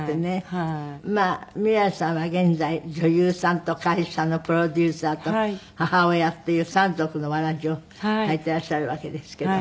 未來さんは現在女優さんと会社のプロデューサーと母親っていう三足のわらじを履いていらっしゃるわけですけど。